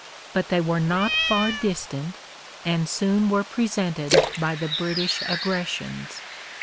But they were not far distant, and soon were presented by the British aggressions.